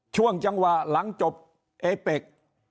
ช่วงจังหวะหลังจบเอเป็ก